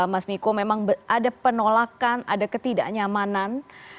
mas miko memang ada penolakan ada ketidaknyamanan